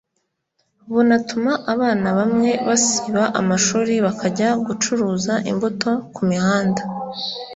bunatuma abana bamwe basiba amashuri bakajya gucuruza imbuto ku mihanda